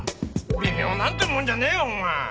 微妙なんてもんじゃねえよお前！